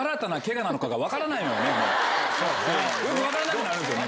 よく分からなくなるんすよね。